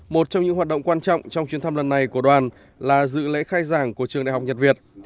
một trong những hoạt động quan trọng trong chuyến thăm lần này của đoàn là dự lễ khai giảng của trường đại học nhật việt